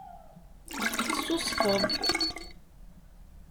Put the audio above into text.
Tessusfeḍ.